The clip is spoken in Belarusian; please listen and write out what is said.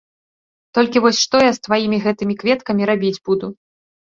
Толькі вось, што я з тваімі гэтымі кветкамі рабіць буду?